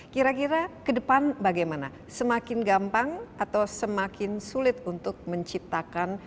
kira kira ke depan bagaimana semakin gampang atau semakin sulit untuk menciptakan